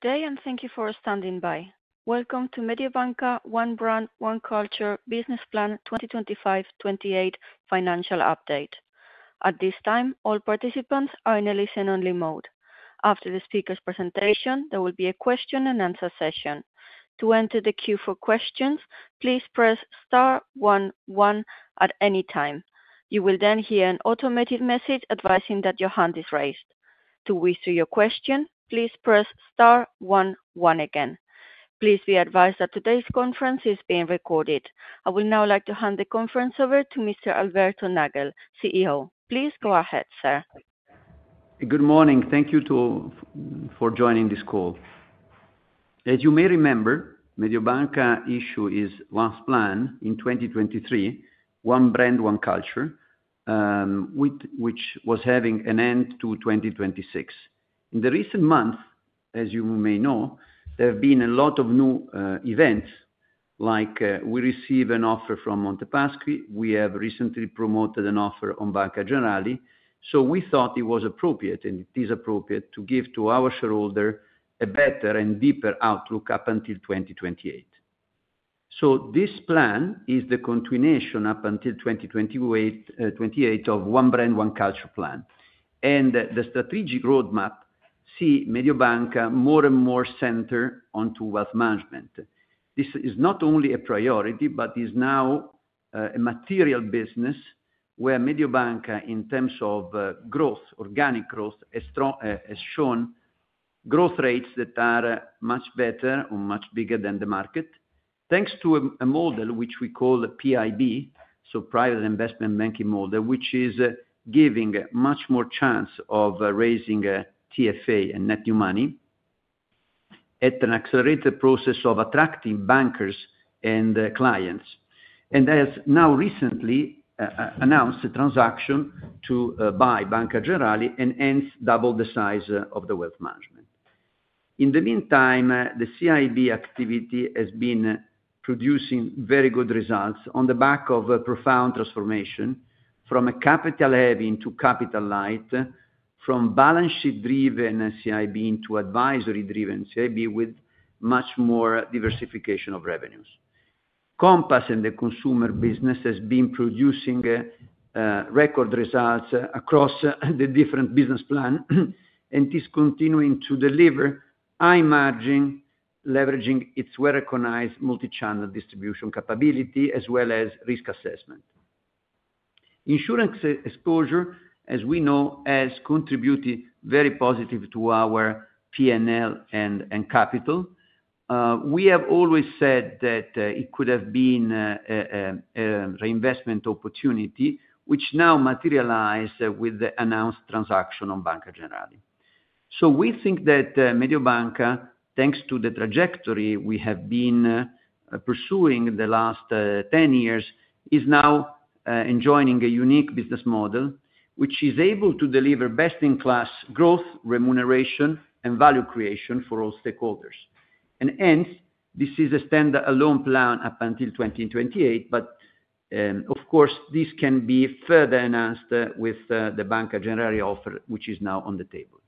Good day, and thank you for standing by. Welcome to Mediobanca One Brand, One Culture, Business Plan 2025-2028 Financial Update. At this time, all participants are in a listen-only mode. After the speaker's presentation, there will be a question-and-answer session. To enter the queue for questions, please press star one one at any time. You will then hear an automated message advising that your hand is raised. To withdraw your question, please press star one one again. Please be advised that today's conference is being recorded. I would now like to hand the conference over to Mr. Alberto Nagel, CEO. Please go ahead, sir. Good morning. Thank you for joining this call. As you may remember, the Mediobanca issue is one plan in 2023, One Brand, One Culture, which was having an end to 2026. In the recent months, as you may know, there have been a lot of new events, like we received an offer from Monte Paschi. We have recently promoted an offer on Banca Generali, so we thought it was appropriate, and it is appropriate, to give to our shareholders a better and deeper outlook up until 2028. This plan is the continuation up until 2028 of One Brand, One Culture plan. The strategic roadmap sees Mediobanca more and more centered onto wealth management. This is not only a priority, but is now a material business where Mediobanca, in terms of growth, organic growth, has shown growth rates that are much better or much bigger than the market, thanks to a model which we call PIB, so Private Investment Banking model, which is giving much more chance of raising TFA, net new money, at an accelerated process of attracting bankers and clients. They have now recently announced a transaction to buy Banca Generali and hence doubled the size of the wealth management. In the meantime, the CIB activity has been producing very good results on the back of profound transformation from a capital heavy into capital light, from balance sheet-driven CIB into advisory-driven CIB with much more diversification of revenues. Compass and the consumer business has been producing record results across the different business plans and is continuing to deliver high margin, leveraging its well-recognized multi-channel distribution capability as well as risk assessment. Insurance exposure, as we know, has contributed very positively to our P&L and capital. We have always said that it could have been a reinvestment opportunity, which now materialized with the announced transaction on Banca Generali. We think that Mediobanca, thanks to the trajectory we have been pursuing the last 10 years, is now enjoying a unique business model which is able to deliver best-in-class growth, remuneration, and value creation for all stakeholders. This is a standalone plan up until 2028, but of course, this can be further enhanced with the Banca Generali offer, which is now on the table.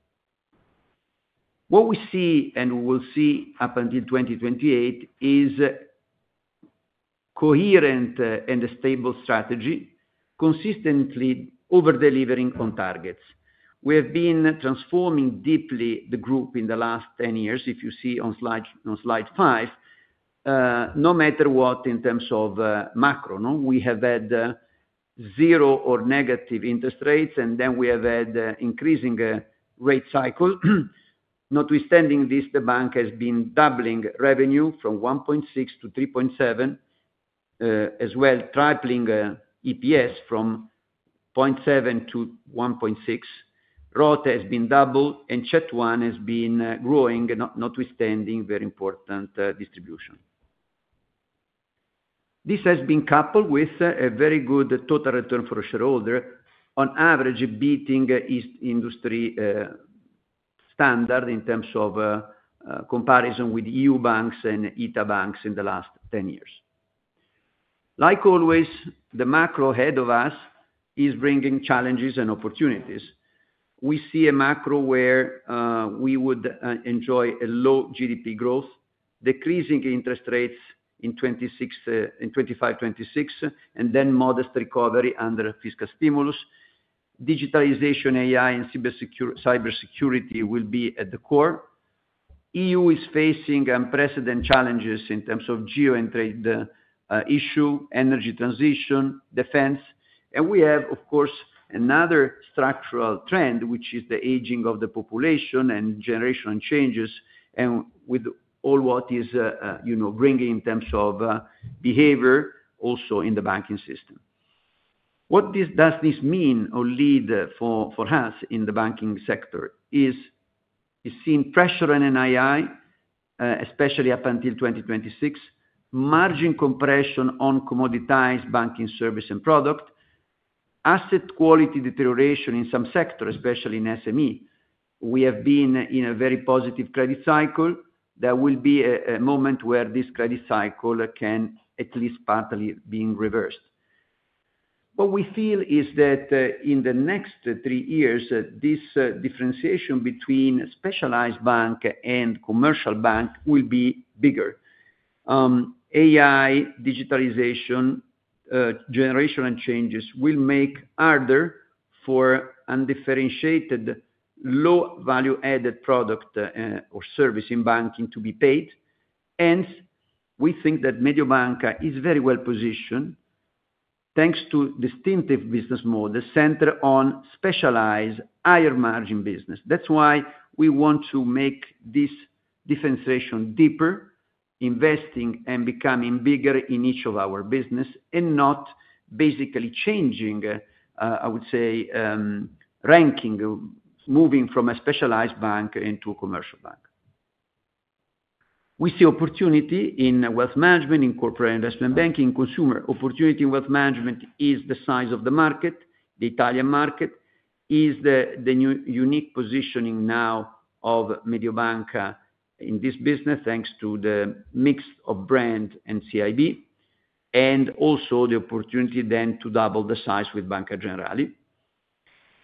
What we see and we will see up until 2028 is a coherent and stable strategy, consistently over-delivering on targets. We have been transforming deeply the group in the last 10 years, if you see on slide five, no matter what in terms of macro. We have had zero or negative interest rates, and then we have had an increasing rate cycle. Notwithstanding this, the bank has been doubling revenue from 1.6 to 3.7, as well tripling EPS from 0.7 to 1.6. ROTA has been doubled, and CET1 has been growing, notwithstanding very important distribution. This has been coupled with a very good total return for a shareholder, on average beating industry standard in terms of comparison with EU banks and ITA banks in the last 10 years. Like always, the macro ahead of us is bringing challenges and opportunities. We see a macro where we would enjoy a low GDP growth, decreasing interest rates in 2025, 2026, and then modest recovery under fiscal stimulus. Digitalization, AI, and cybersecurity will be at the core. EU is facing unprecedented challenges in terms of geo and trade issue, energy transition, defense. We have, of course, another structural trend, which is the aging of the population and generational changes, and with all what is bringing in terms of behavior also in the banking system. What does this mean or lead for us in the banking sector is seeing pressure on NII, especially up until 2026, margin compression on commoditized banking service and product, asset quality deterioration in some sectors, especially in SME. We have been in a very positive credit cycle. There will be a moment where this credit cycle can at least partly be reversed. What we feel is that in the next three years, this differentiation between specialized bank and commercial bank will be bigger. AI, digitalization, generational changes will make harder for undifferentiated low value-added product or service in banking to be paid. Hence, we think that Mediobanca is very well positioned thanks to a distinctive business model centered on specialized higher margin business. That's why we want to make this differentiation deeper, investing and becoming bigger in each of our businesses, and not basically changing, I would say, ranking, moving from a specialized bank into a commercial bank. We see opportunity in wealth management, in corporate investment banking, consumer opportunity in wealth management is the size of the market, the Italian market, is the unique positioning now of Mediobanca in this business thanks to the mix of brand and CIB, and also the opportunity then to double the size with Banca Generali.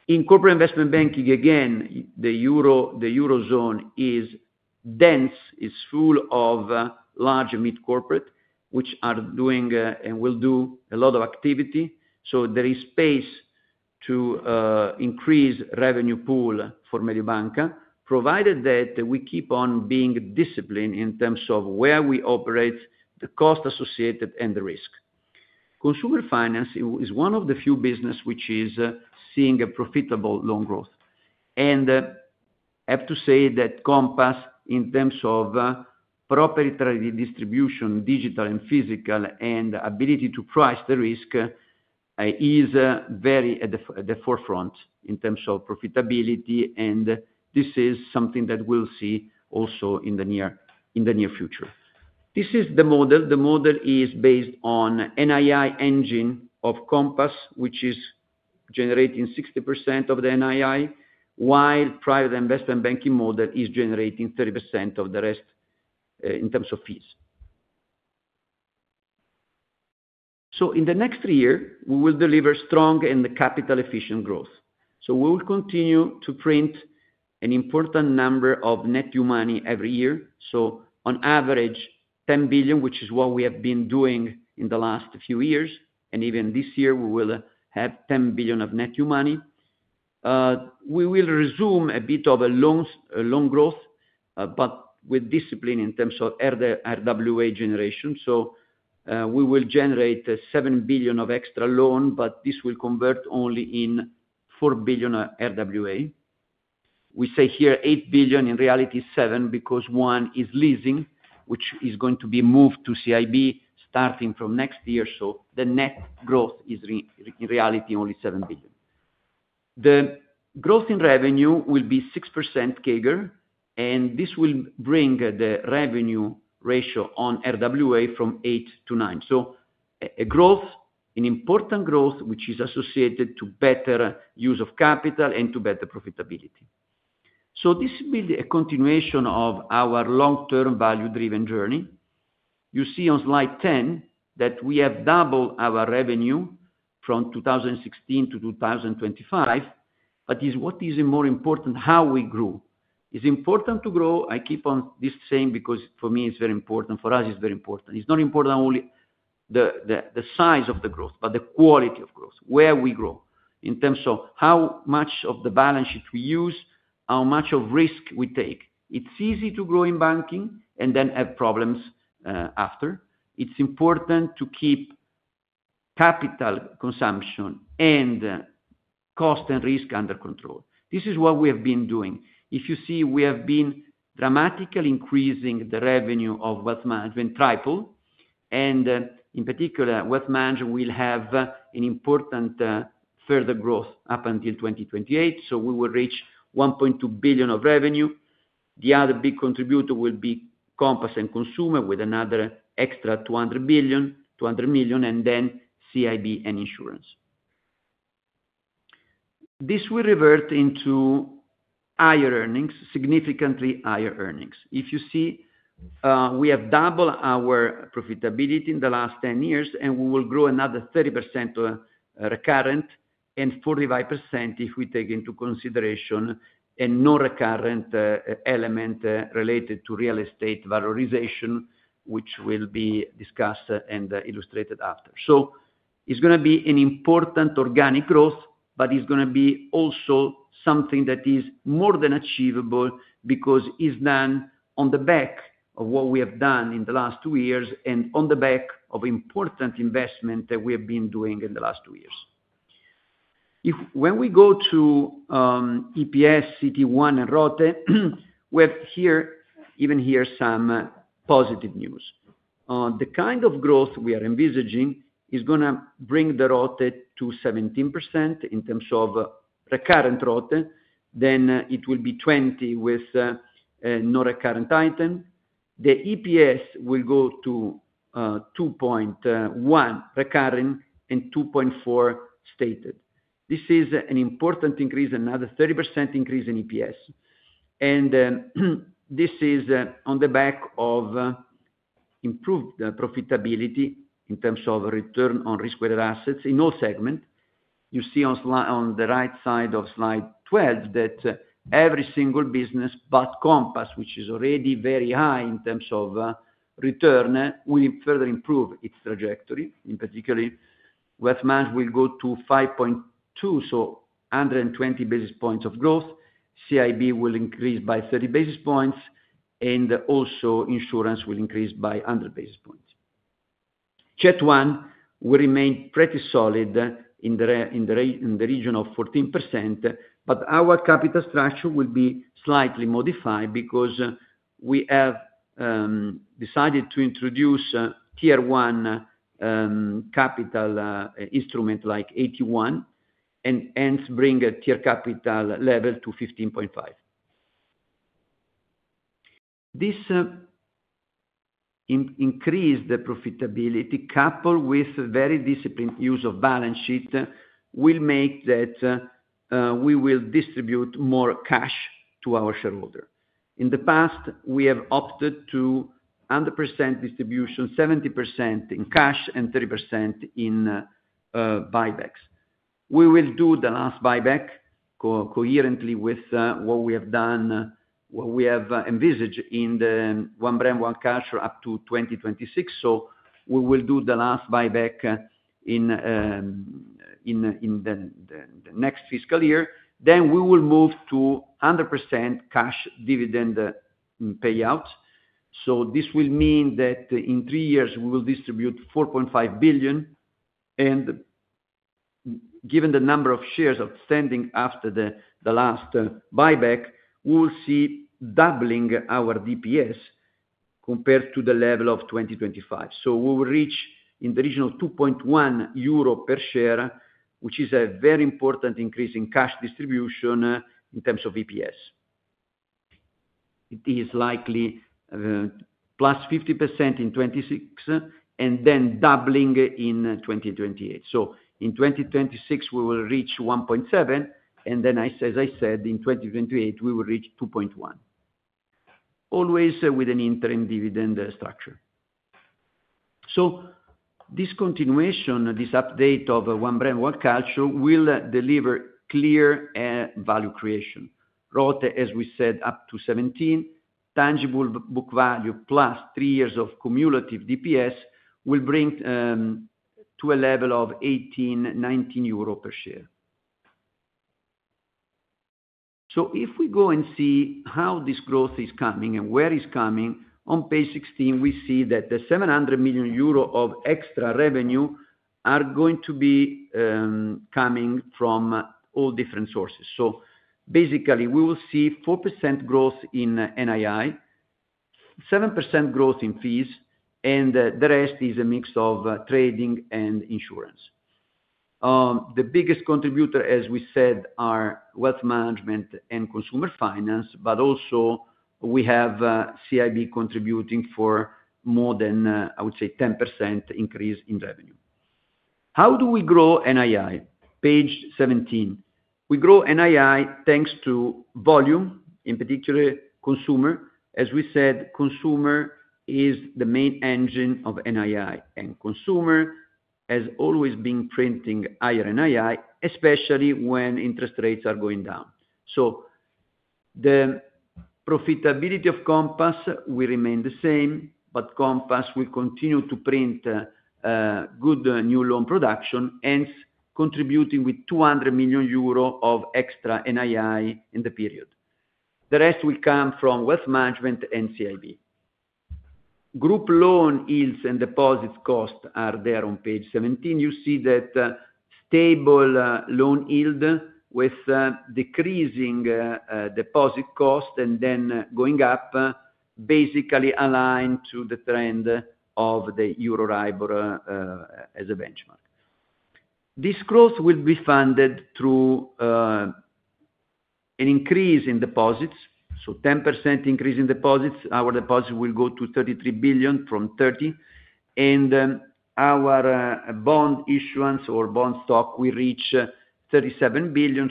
In corporate and investment banking, again, the euro zone is dense, is full of large mid-corporate which are doing and will do a lot of activity. There is space to increase the revenue pool for Mediobanca, provided that we keep on being disciplined in terms of where we operate, the cost associated, and the risk. Consumer finance is one of the few businesses which is seeing profitable loan growth. I have to say that Compass, in terms of proprietary distribution, digital and physical, and ability to price the risk, is very at the forefront in terms of profitability. This is something that we'll see also in the near future. This is the model. The model is based on the NII engine of Compass, which is generating 60% of the NII, while the private investment banking model is generating 30% of the rest in terms of fees. In the next three years, we will deliver strong and capital-efficient growth. We will continue to print an important number of net new money every year. On average, 10 billion, which is what we have been doing in the last few years. Even this year, we will have 10 billion of net new money. We will resume a bit of a loan growth, but with discipline in terms of RWA generation. We will generate 7 billion of extra loan, but this will convert only in 4 billion RWA. We say here 8 billion, in reality, 7 billion, because one is leasing, which is going to be moved to CIB starting from next year. The net growth is, in reality, only 7 billion. The growth in revenue will be 6% CAGR, and this will bring the revenue ratio on RWA from 8 to 9. A growth, an important growth, which is associated with better use of capital and better profitability. This will be a continuation of our long-term value-driven journey. You see on slide 10 that we have doubled our revenue from 2016 to 2025. What is more important is how we grew. It is important to grow. I keep on saying because for me, it is very important. For us, it is very important. It is not important only the size of the growth, but the quality of growth, where we grow, in terms of how much of the balance sheet we use, how much of risk we take. It is easy to grow in banking and then have problems after. It is important to keep capital consumption and cost and risk under control. This is what we have been doing. If you see, we have been dramatically increasing the revenue of wealth management triple. In particular, wealth management will have an important further growth up until 2028. We will reach 1.2 billion of revenue. The other big contributor will be Compass and consumer with another extra 200 million, and then CIB and insurance. This will revert into higher earnings, significantly higher earnings. If you see, we have doubled our profitability in the last 10 years, and we will grow another 30% recurrent and 45% if we take into consideration a non-recurrent element related to real estate valorization, which will be discussed and illustrated after. It is going to be an important organic growth, but it is going to be also something that is more than achievable because it is done on the back of what we have done in the last two years and on the back of important investment that we have been doing in the last two years. When we go to EPS, CET1, and ROTA, we have even here some positive news. The kind of growth we are envisaging is going to bring the ROTA to 17% in terms of recurrent ROTA. It will be 20% with non-recurrent item. The EPS will go to 2.1 recurrent and 2.4 stated. This is an important increase, another 30% increase in EPS. This is on the back of improved profitability in terms of return on risk-weighted assets in all segments. You see on the right side of slide 12 that every single business but Compass, which is already very high in terms of return, will further improve its trajectory. In particular, wealth management will go to 5.2, so 120 basis points of growth. CIB will increase by 30 basis points, and also insurance will increase by 100 basis points. CET1 will remain pretty solid in the region of 14%, but our capital structure will be slightly modified because we have decided to introduce tier-one capital instrument like AT1 and hence bring tier capital level to 15.5%. This increased profitability, coupled with very disciplined use of balance sheet, will make that we will distribute more cash to our shareholders. In the past, we have opted to 100% distribution, 70% in cash, and 30% in buybacks. We will do the last buyback coherently with what we have done, what we have envisaged in the one-brand, one-cash up to 2026. We will do the last buyback in the next fiscal year. We will move to 100% cash dividend payouts. This will mean that in three years, we will distribute 4.5 billion. Given the number of shares outstanding after the last buyback, we'll see doubling our DPS compared to the level of 2025. We will reach in the region of 2.1 euro per share, which is a very important increase in cash distribution in terms of EPS. It is likely plus 50% in 2026 and then doubling in 2028. In 2026, we will reach 1.7. As I said, in 2028, we will reach 2.1, always with an interim dividend structure. This continuation, this update of one-brand, one-culture will deliver clear value creation. ROTA, as we said, up to 17%, tangible book value plus three years of cumulative DPS will bring to a level of 18 euro, 19 euro per share. If we go and see how this growth is coming and where it's coming, on page 16, we see that the 700 million euro of extra revenue are going to be coming from all different sources. Basically, we will see 4% growth in NII, 7% growth in fees, and the rest is a mix of trading and insurance. The biggest contributor, as we said, are wealth management and consumer finance, but also we have CIB contributing for more than, I would say, 10% increase in revenue. How do we grow NII? Page 17. We grow NII thanks to volume, in particular consumer. As we said, consumer is the main engine of NII, and consumer has always been printing higher NII, especially when interest rates are going down. The profitability of Compass will remain the same, but Compass will continue to print good new loan production, hence contributing with 200 million euro of extra NII in the period. The rest will come from wealth management and CIB. Group loan yields and deposits cost are there on page 17. You see that stable loan yield with decreasing deposit cost and then going up, basically aligned to the trend of the Euribor as a benchmark. This growth will be funded through an increase in deposits. 10% increase in deposits. Our deposits will go to 33 billion from 30 billion. Our bond issuance or bond stock will reach 37 billion.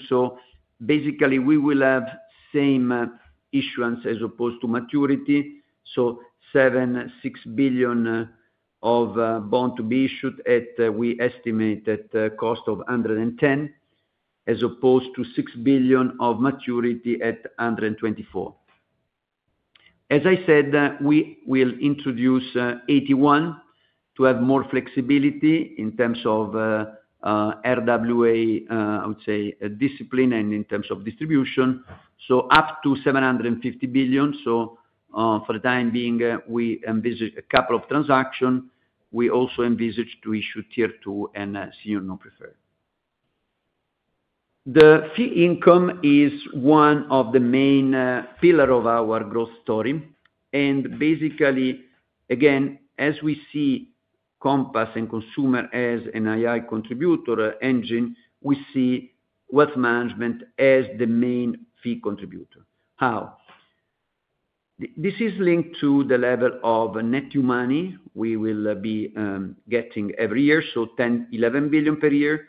We will have same issuance as opposed to maturity. 7 billion, EURO 6 billion of bond to be issued at, we estimate, at cost of 110, as opposed to 6 billion of maturity at 124. As I said, we will introduce AT1 to have more flexibility in terms of RWA, I would say, discipline and in terms of distribution. Up to 750 billion. For the time being, we envisage a couple of transactions. We also envisage to issue tier two and senior non-preferred. The fee income is one of the main pillars of our growth story. Basically, again, as we see Compass and consumer as an AI contributor engine, we see wealth management as the main fee contributor. How? This is linked to the level of net new money we will be getting every year, so 10 billion, 11 billion per year.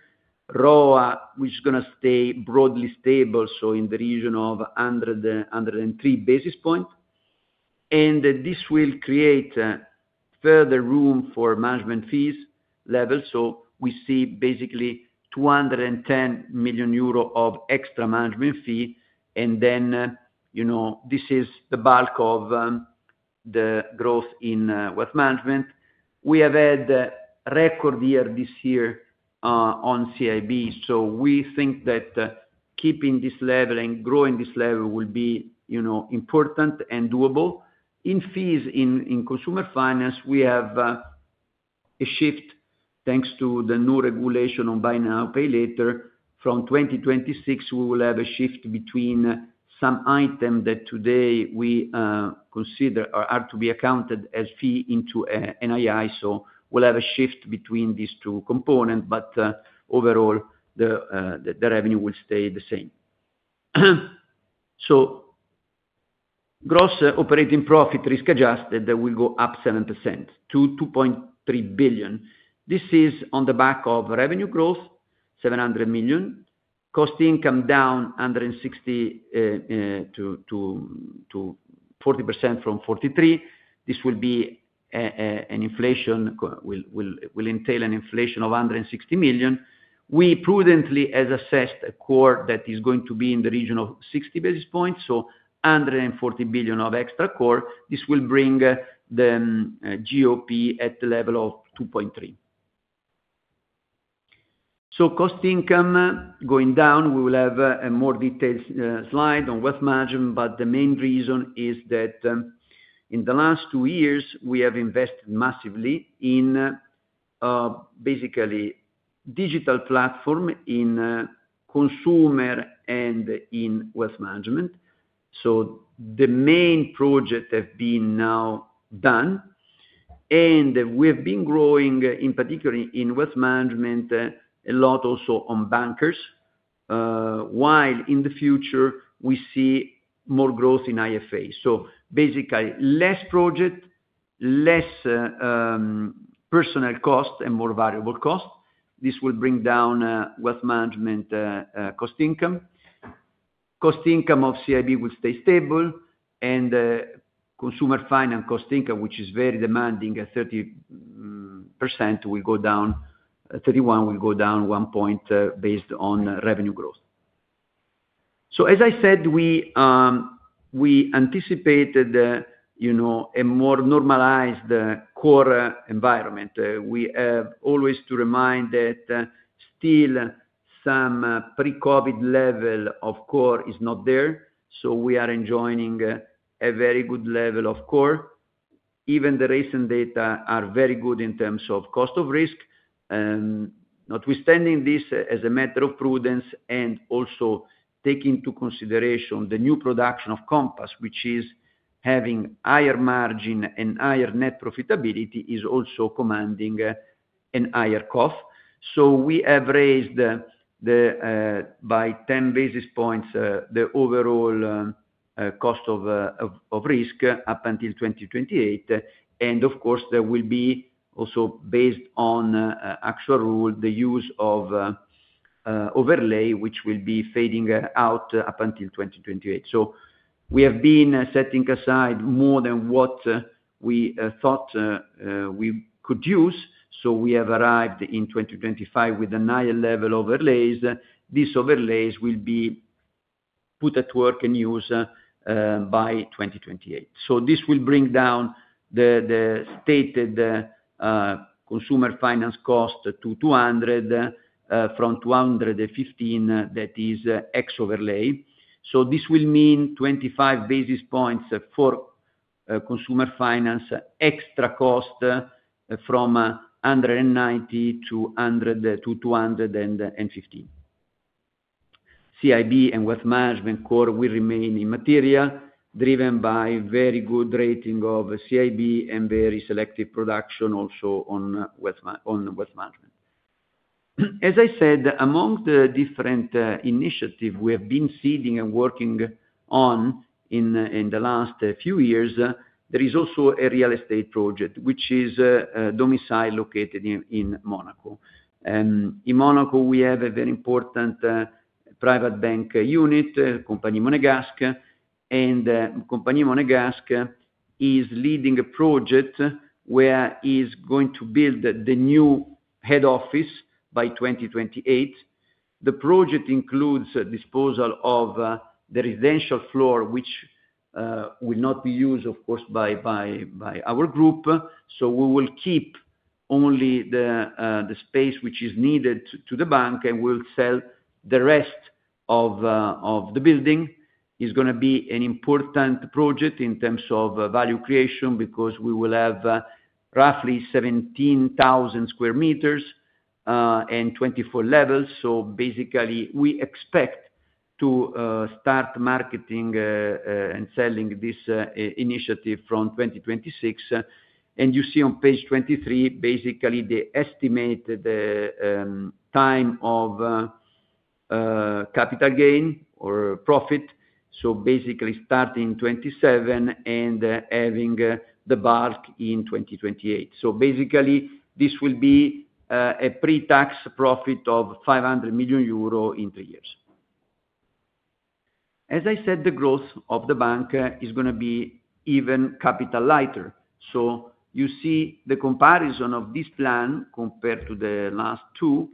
ROA, which is going to stay broadly stable, so in the region of 103 basis points. This will create further room for management fees level. We see basically 210 million euro of extra management fee. This is the bulk of the growth in wealth management. We have had a record year this year on CIB. We think that keeping this level and growing this level will be important and doable. In fees, in consumer finance, we have a shift thanks to the new regulation on Buy Now Pay Later. From 2026, we will have a shift between some items that today we consider or are to be accounted as fee into NII. We will have a shift between these two components. Overall, the revenue will stay the same. Gross operating profit, risk-adjusted, will go up 7% to 2.3 billion. This is on the back of revenue growth, 700 million. Cost income down 160 million to 40% from 43%. This will entail an inflation of 160 million. We prudently have assessed a CoR that is going to be in the region of 60 basis points, so 1.4 billion of extra CoR. This will bring the GOP at the level of 2.3. Cost income going down. We will have a more detailed slide on wealth management, but the main reason is that in the last two years, we have invested massively in basically digital platform in consumer and in wealth management. The main project has been now done. We have been growing, in particular in wealth management, a lot also on bankers, while in the future, we see more growth in IFA. Basically, less project, less personal cost, and more variable cost. This will bring down wealth management cost income. Cost income of CIB will stay stable. Consumer finance cost income, which is very demanding, 30% will go down; 31 will go down 1 point based on revenue growth. As I said, we anticipated a more normalized core environment. We have always to remind that still some pre-COVID level of core is not there. We are enjoying a very good level of core. Even the recent data are very good in terms of cost of risk. Notwithstanding this, as a matter of prudence and also taking into consideration the new production of Compass, which is having higher margin and higher net profitability, is also commanding a higher cost. We have raised by 10 basis points the overall cost of risk up until 2028. Of course, there will be also based on actual rule, the use of overlay, which will be fading out up until 2028. We have been setting aside more than what we thought we could use. We have arrived in 2025 with a higher level of overlays. These overlays will be put at work and used by 2028. This will bring down the stated consumer finance cost to 200 from 215, that is X overlay. This will mean 25 basis points for consumer finance extra cost from 190 to 215. CIB and wealth management core will remain immaterial, driven by very good rating of CIB and very selective production also on wealth management. As I said, among the different initiatives we have been seeding and working on in the last few years, there is also a real estate project, which is domicile located in Monaco. In Monaco, we have a very important private bank unit, Compagnie Monégasque. Compagnie Monégasque is leading a project where it is going to build the new head office by 2028. The project includes disposal of the residential floor, which will not be used, of course, by our group. We will keep only the space which is needed to the bank and will sell the rest of the building. It is going to be an important project in terms of value creation because we will have roughly 17,000 sq m and 24 levels. We expect to start marketing and selling this initiative from 2026. You see on page 23 the estimated time of capital gain or profit, basically starting in 2027 and having the bulk in 2028. This will be a pre-tax profit of 500 million euro in three years. As I said, the growth of the bank is going to be even capital lighter. You see the comparison of this plan compared to the last two.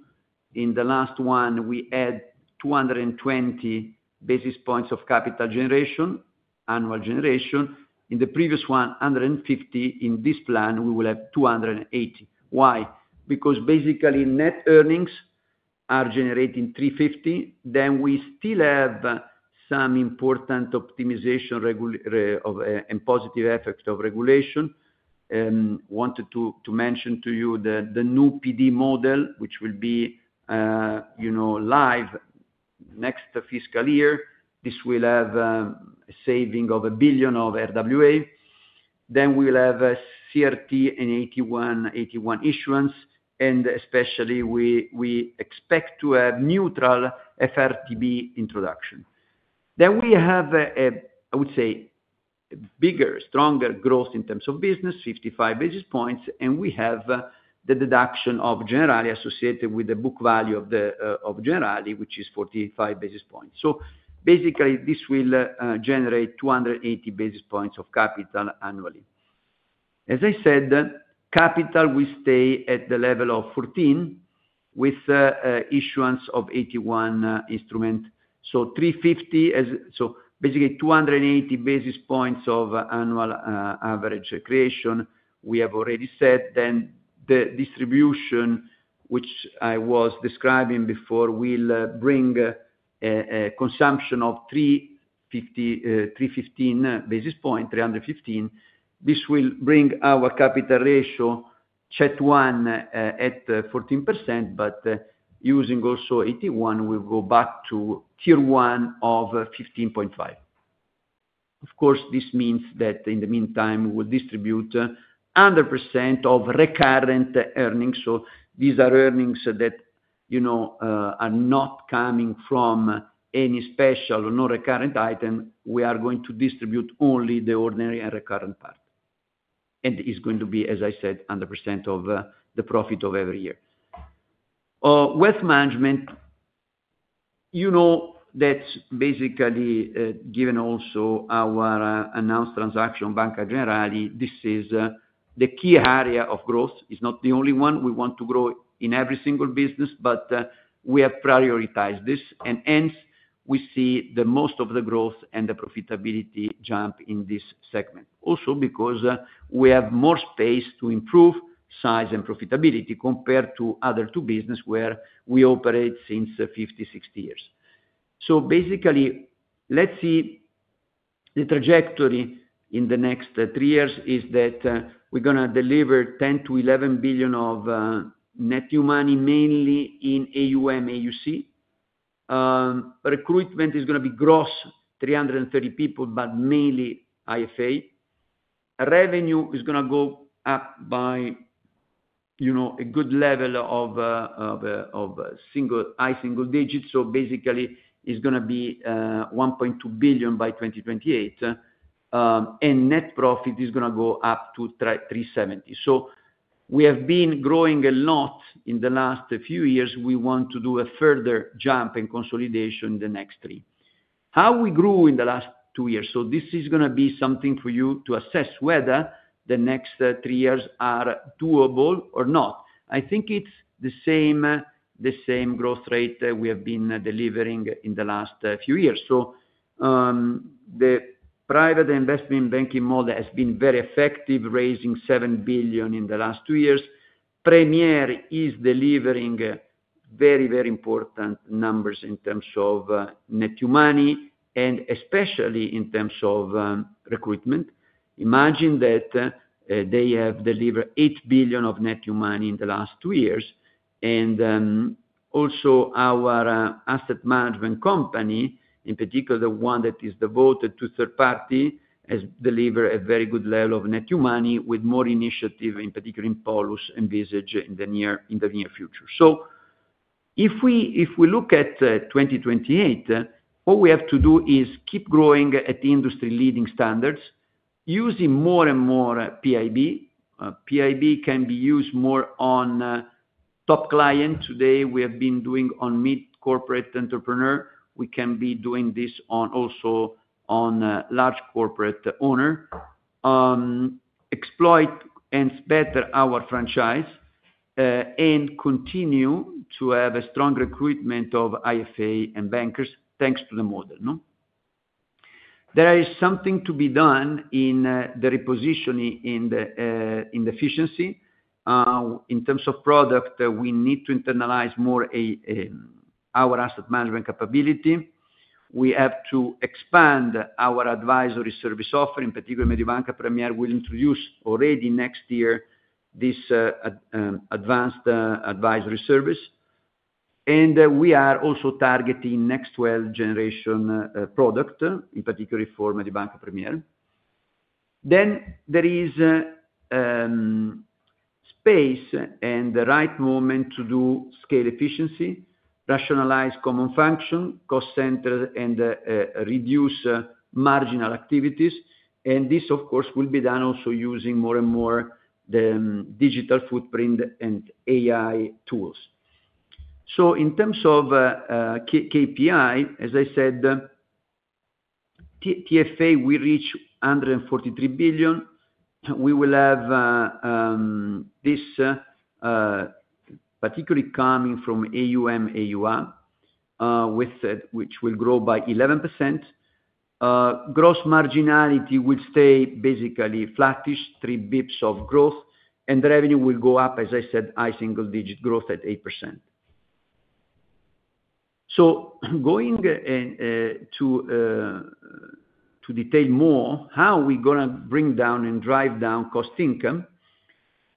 In the last one, we had 220 basis points of capital generation, annual generation. In the previous one, 150. In this plan, we will have 280. Why? Because basically net earnings are generating 350. Then we still have some important optimization and positive effect of regulation. Wanted to mention to you the new PD model, which will be live next fiscal year. This will have a saving of 1 billion of RWA. We will have SRT and AT1, AT1 issuance. Especially, we expect to have neutral FRTB introduction. We have, I would say, a bigger, stronger growth in terms of business, 55 basis points. We have the deduction of Generali associated with the book value of Generali, which is 45 basis points. Basically, this will generate 280 basis points of capital annually. As I said, capital will stay at the level of 14 with issuance of AT1 instruments. So 350 million, so basically 280 basis points of annual average creation we have already set. The distribution, which I was describing before, will bring a consumption of 315 basis points, 315. This will bring our capital ratio CET1 at 14%, but using also AT1, we will go back to tier one of 15.5%. Of course, this means that in the meantime, we will distribute 100% of recurrent earnings. These are earnings that are not coming from any special or non-recurrent item. We are going to distribute only the ordinary and recurrent part. It is going to be, as I said, 100% of the profit of every year. Wealth management, you know that's basically given also our announced transaction bank at Generali. This is the key area of growth. It's not the only one. We want to grow in every single business, but we have prioritized this. Hence, we see most of the growth and the profitability jump in this segment. Also because we have more space to improve size and profitability compared to the other two businesses where we have operated since 1950, 1960 years. Basically, the trajectory in the next three years is that we're going to deliver 10 billion-11 billion of net new money, mainly in AUM, AUC. Recruitment is going to be gross, 330 people, but mainly IFA. Revenue is going to go up by a good level of high single digits. Basically, it's going to be 1.2 billion by 2028. Net profit is going to go up to 370 million. We have been growing a lot in the last few years. We want to do a further jump and consolidation in the next three. How we grew in the last two years. This is going to be something for you to assess whether the next three years are doable or not. I think it's the same growth rate we have been delivering in the last few years. The private investment banking model has been very effective, raising 7 billion in the last two years. Premier is delivering very, very important numbers in terms of net new money and especially in terms of recruitment. Imagine that they have delivered 8 billion of net new money in the last two years. Also, our asset management company, in particular the one that is devoted to third party, has delivered a very good level of net new money with more initiative, in particular in Polus and Visage in the near future. If we look at 2028, all we have to do is keep growing at the industry leading standards, using more and more PIB. PIB can be used more on top clients. Today, we have been doing on mid-corporate entrepreneur. We can be doing this also on large corporate owner. Exploit and better our franchise and continue to have a strong recruitment of IFA and bankers thanks to the model. There is something to be done in the repositioning in efficiency. In terms of product, we need to internalize more our asset management capability. We have to expand our advisory service offering. In particular, Mediobanca Premier will introduce already next year this advanced advisory service. We are also targeting next-well generation product, in particular for Mediobanca Premier. There is space and the right moment to do scale efficiency, rationalize common function, cost center, and reduce marginal activities. This, of course, will be done also using more and more the digital footprint and AI tools. In terms of KPI, as I said, TFA, we reached 143 billion. We will have this particularly coming from AUM, AUR, which will grow by 11%. Gross marginality will stay basically flattish, three basis points of growth, and the revenue will go up, as I said, high single-digit growth at 8%. Going to detail more how we're going to bring down and drive down cost income.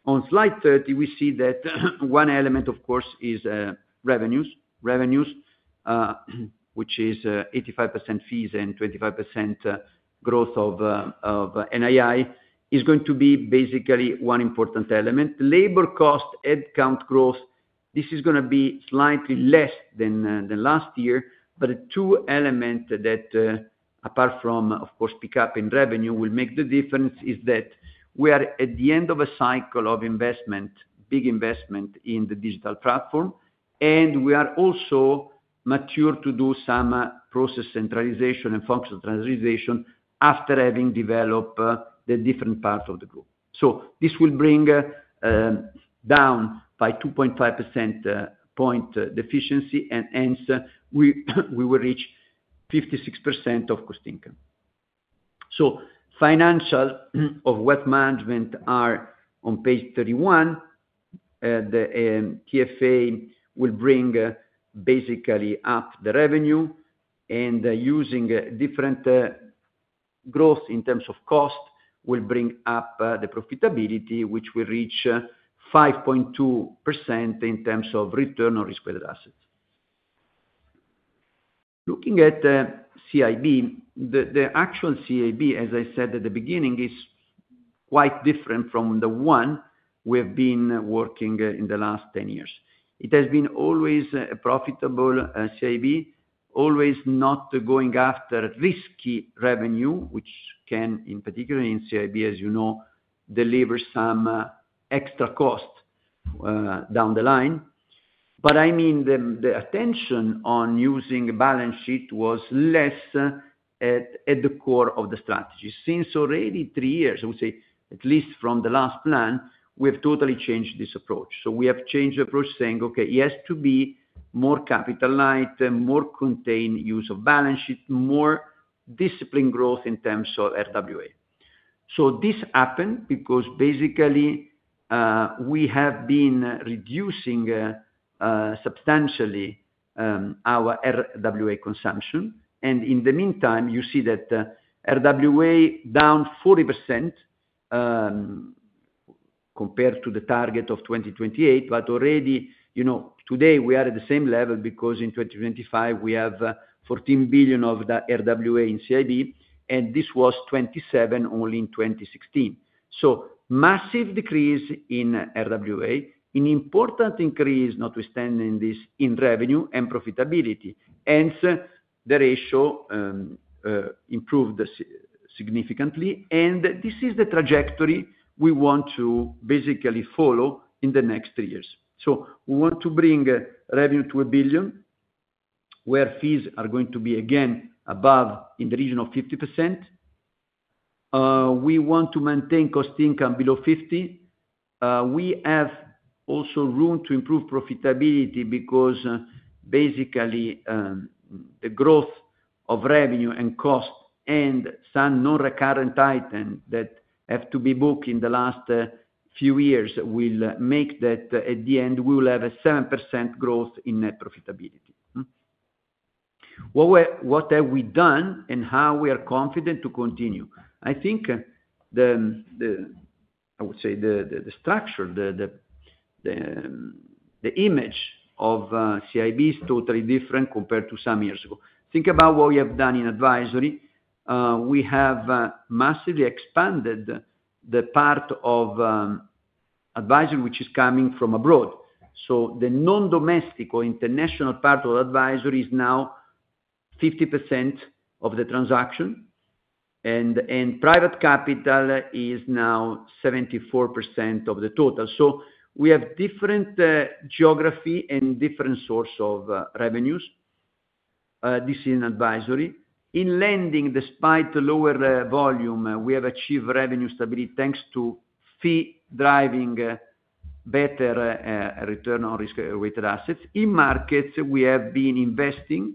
On slide 30, we see that one element, of course, is revenues, which is 85% fees and 25% growth of NII is going to be basically one important element. Labor cost headcount growth, this is going to be slightly less than last year. The two elements that, apart from, of course, pickup in revenue, will make the difference is that we are at the end of a cycle of investment, big investment in the digital platform. We are also mature to do some process centralization and functional centralization after having developed the different parts of the group. This will bring down by 2.5% point efficiency. Hence, we will reach 56% of cost income. Financial of wealth management are on page 31. TFA will bring basically up the revenue. Using different growth in terms of cost will bring up the profitability, which will reach 5.2% in terms of return on risk-weighted assets. Looking at CIB, the actual CIB, as I said at the beginning, is quite different from the one we have been working in the last 10 years. It has been always a profitable CIB, always not going after risky revenue, which can, in particular in CIB, as you know, deliver some extra cost down the line. I mean, the attention on using balance sheet was less at the core of the strategy. Since already three years, I would say at least from the last plan, we have totally changed this approach. We have changed the approach saying, okay, it has to be more capital light, more contained use of balance sheet, more disciplined growth in terms of RWA. This happened because basically we have been reducing substantially our RWA consumption. In the meantime, you see that RWA down 40% compared to the target of 2028. Already today we are at the same level because in 2025 we have 14 billion of the RWA in CIB. This was 27 only in 2016. Massive decrease in RWA, an important increase notwithstanding this in revenue and profitability. Hence, the ratio improved significantly. This is the trajectory we want to basically follow in the next three years. We want to bring revenue to 1 billion where fees are going to be again above in the region of 50%. We want to maintain cost income below 50. We have also room to improve profitability because basically the growth of revenue and cost and some non-recurrent items that have to be booked in the last few years will make that at the end we will have a 7% growth in net profitability. What have we done and how we are confident to continue? I think the, I would say the structure, the image of CIB is totally different compared to some years ago. Think about what we have done in advisory. We have massively expanded the part of advisory which is coming from abroad. The non-domestic or international part of advisory is now 50% of the transaction. Private capital is now 74% of the total. We have different geography and different sources of revenues. This is an advisory. In lending, despite the lower volume, we have achieved revenue stability thanks to fee driving better return on risk-weighted assets. In markets, we have been investing.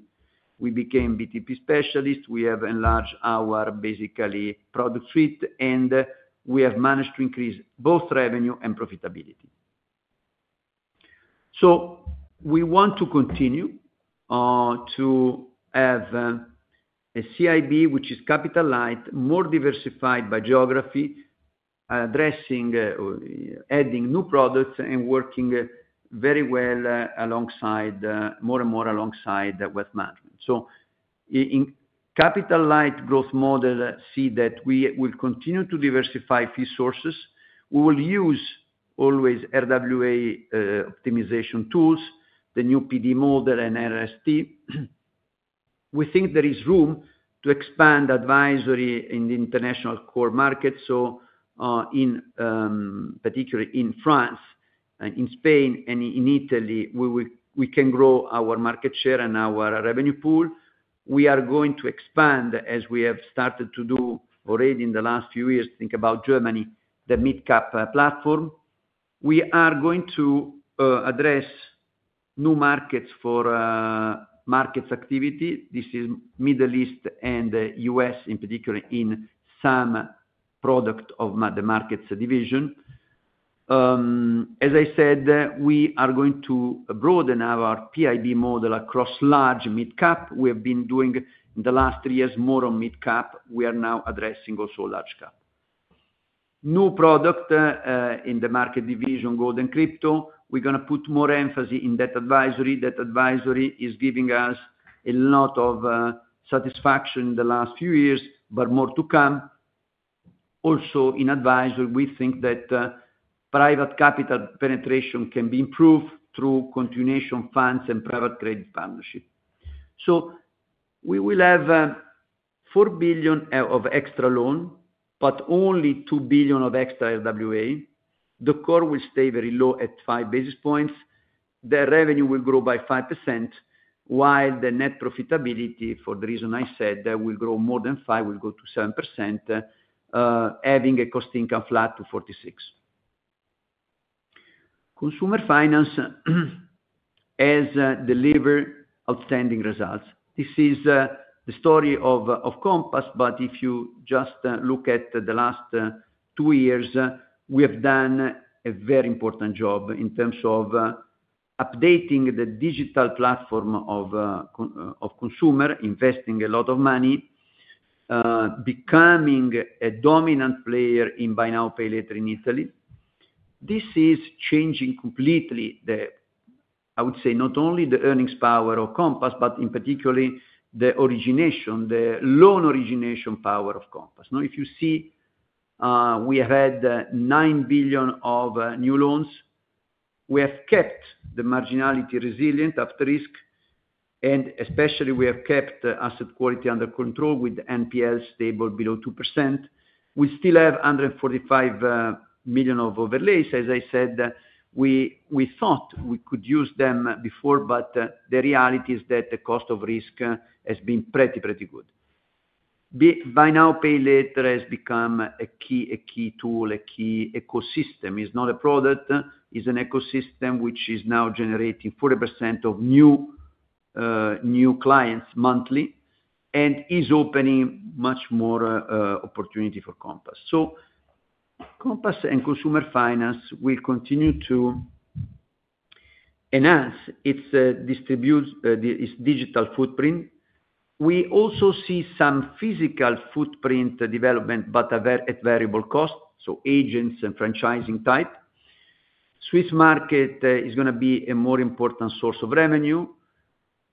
We became BTP specialists. We have enlarged our basically product suite. We have managed to increase both revenue and profitability. We want to continue to have a CIB which is capital light, more diversified by geography, adding new products and working very well alongside more and more alongside wealth management. In capital light growth model, see that we will continue to diversify fee sources. We will use always RWA optimization tools, the new PD model and SRT. We think there is room to expand advisory in the international core markets. In particular in France, in Spain, and in Italy, we can grow our market share and our revenue pool. We are going to expand as we have started to do already in the last few years. Think about Germany, the mid-cap platform. We are going to address new markets for markets activity. This is Middle East and the U.S. in particular in some product of the markets division. As I said, we are going to broaden our PIB model across large mid-cap. We have been doing in the last three years more on mid-cap. We are now addressing also large-cap. New product in the market division, gold and crypto. We're going to put more emphasis in that advisory. That advisory is giving us a lot of satisfaction in the last few years, but more to come. Also in advisory, we think that private capital penetration can be improved through continuation funds and private credit partnership. We will have 4 billion of extra loan, but only 2 billion of extra RWA. The CoR will stay very low at five basis points. The revenue will grow by 5%, while the net profitability for the reason I said will grow more than five, will go to 7%, having a cost income flat to 46. Consumer finance has delivered outstanding results. This is the story of Compass, but if you just look at the last two years, we have done a very important job in terms of updating the digital platform of consumer, investing a lot of money, becoming a dominant player in Buy Now Pay Later in Italy. This is changing completely the, I would say, not only the earnings power of Compass, but in particular the origination, the loan origination power of Compass. If you see, we have had 9 billion of new loans. We have kept the marginality resilient after risk. And especially we have kept asset quality under control with NPL stable below 2%. We still have 145 million of overlays. As I said, we thought we could use them before, but the reality is that the cost of risk has been pretty, pretty good. Buy Now Pay Later has become a key tool, a key ecosystem. It's not a product. It's an ecosystem which is now generating 40% of new clients monthly and is opening much more opportunity for Compass. Compass and consumer finance will continue to enhance its digital footprint. We also see some physical footprint development, but at variable cost. Agents and franchising type. Swiss market is going to be a more important source of revenue.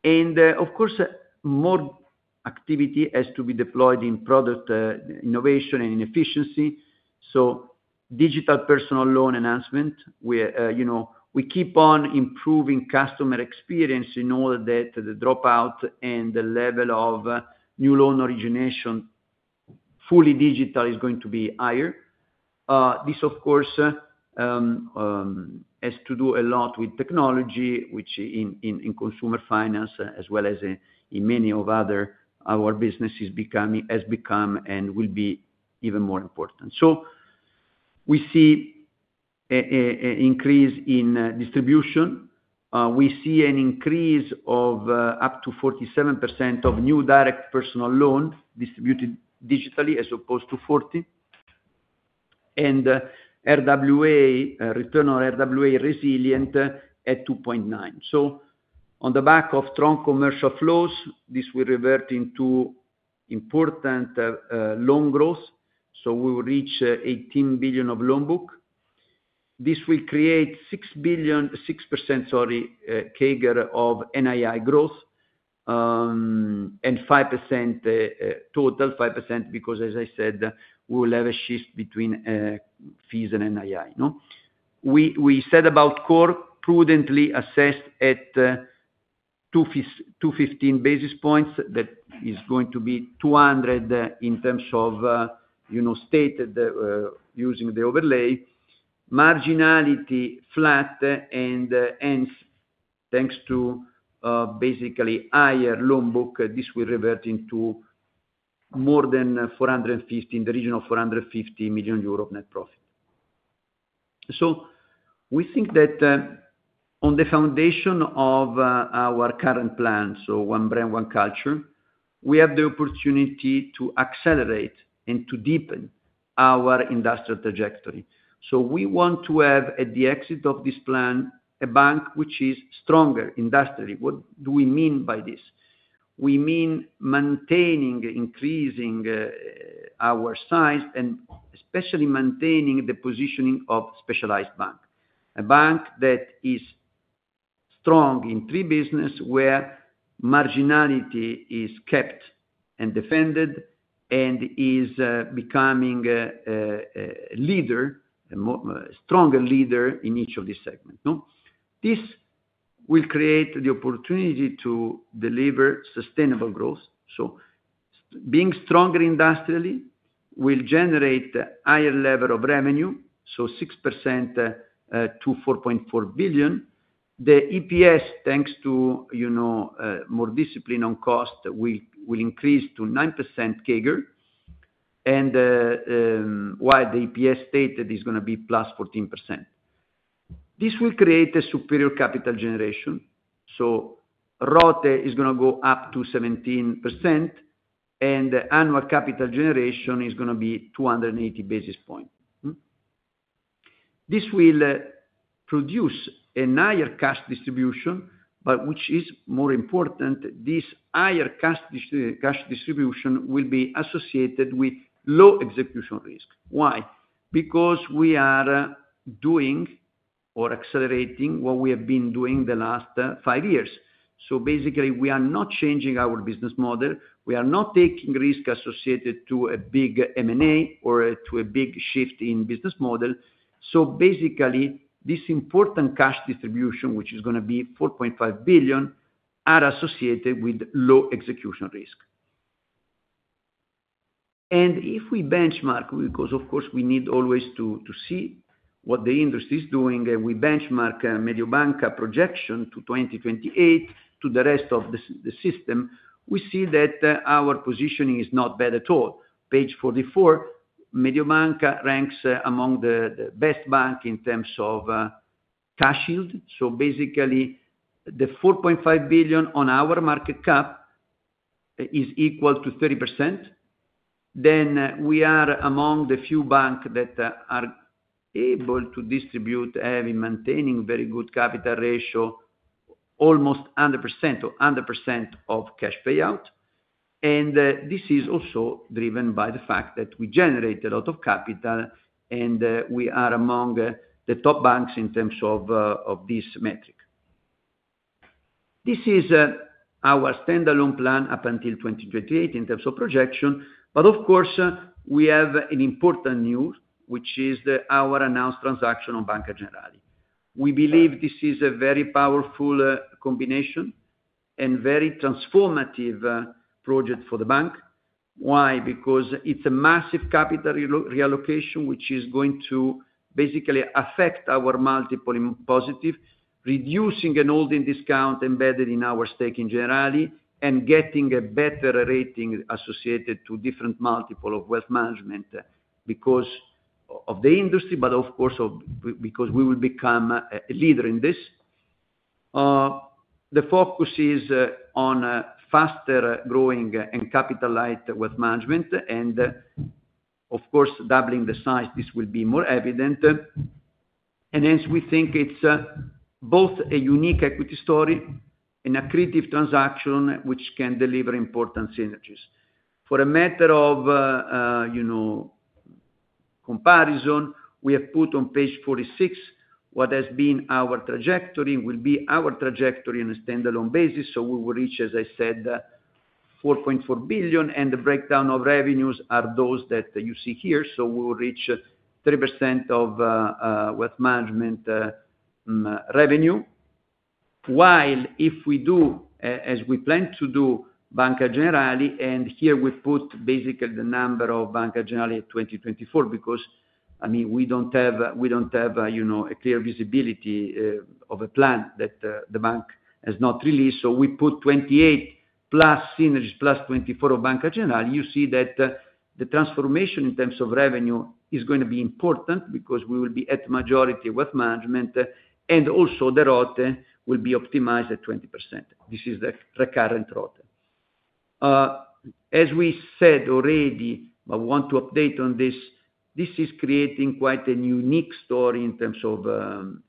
Of course, more activity has to be deployed in product innovation and in efficiency. Digital personal loan enhancement. We keep on improving customer experience in order that the dropout and the level of new loan origination fully digital is going to be higher. This, of course, has to do a lot with technology, which in consumer finance, as well as in many of our businesses, has become and will be even more important. We see an increase in distribution. We see an increase of up to 47% of new direct personal loan distributed digitally as opposed to 40%. RWA, return on RWA resilient at 2.9. On the back of strong commercial flows, this will revert into important loan growth. We will reach 18 billion of loan book. This will create 6%, sorry, CAGR of NII growth and 5% total, 5% because, as I said, we will have a shift between fees and NII. We said about CoR prudently assessed at 215 basis points. That is going to be 200 in terms of stated using the overlay. Marginality flat. Hence, thanks to basically higher loan book, this will revert into more than 450 million, in the region of 450 million euro of net profit. We think that on the foundation of our current plan, one brand, one culture, we have the opportunity to accelerate and to deepen our industrial trajectory. We want to have at the exit of this plan a bank which is stronger industrially. What do we mean by this? We mean maintaining, increasing our size, and especially maintaining the positioning of specialized bank. A bank that is strong in three businesses where marginality is kept and defended and is becoming a leader, a stronger leader in each of these segments. This will create the opportunity to deliver sustainable growth. Being stronger industrially will generate a higher level of revenue, so 6% to 4.4 billion. The EPS, thanks to more discipline on cost, will increase to 9% CAGR. While the EPS stated is going to be plus 14%. This will create a superior capital generation. ROTA is going to go up to 17%. The annual capital generation is going to be 280 basis points. This will produce a higher cash distribution, but which is more important. This higher cash distribution will be associated with low execution risk. Why? Because we are doing or accelerating what we have been doing the last five years. Basically, we are not changing our business model. We are not taking risk associated to a big M&A or to a big shift in business model. Basically, this important cash distribution, which is going to be 4.5 billion, is associated with low execution risk. If we benchmark, because of course, we need always to see what the industry is doing, and we benchmark Mediobanca projection to 2028 to the rest of the system, we see that our positioning is not bad at all. Page 44, Mediobanca ranks among the best banks in terms of cash yield. Basically, the 4.5 billion on our market cap is equal to 30%. We are among the few banks that are able to distribute, having maintained very good capital ratio, almost 100% or 100% of cash payout. This is also driven by the fact that we generate a lot of capital and we are among the top banks in terms of this metric. This is our standalone plan up until 2028 in terms of projection. Of course, we have an important news, which is our announced transaction on Banca Generali. We believe this is a very powerful combination and very transformative project for the bank. Why? Because it is a massive capital reallocation, which is going to basically affect our multiple in positive, reducing an old in discount embedded in our stake in Generali and getting a better rating associated to different multiple of wealth management because of the industry, but of course, because we will become a leader in this. The focus is on faster growing and capitalized wealth management. Of course, doubling the size, this will be more evident. Hence, we think it's both a unique equity story and a creative transaction which can deliver important synergies. For a matter of comparison, we have put on page 46 what has been our trajectory, will be our trajectory on a standalone basis. We will reach, as I said, 4.4 billion. The breakdown of revenues are those that you see here. We will reach 3% of wealth management revenue. If we do, as we plan to do, Banca Generali, and here we put basically the number of Banca Generali 2024, because, I mean, we don't have a clear visibility of a plan that the bank has not released. We put 28 plus synergies plus 24 of Banca Generali. You see that the transformation in terms of revenue is going to be important because we will be at majority of wealth management and also the ROTA will be optimized at 20%. This is the recurrent ROTA. As we said already, but want to update on this, this is creating quite a unique story in terms of